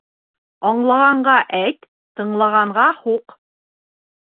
Аңлағанға әйт, тыңлағанға һуҡ.